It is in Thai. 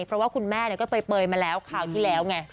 เพราะว่าคุณแม่ก็เปยมาแล้วคราวที่แล้วไง